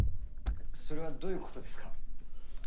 それはどういうことですか？